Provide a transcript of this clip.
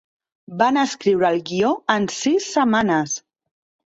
Van escriure el guió en sis setmanes.